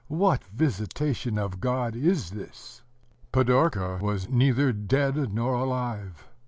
... What visitation of God is this? Pidorka was neither dead nor alive.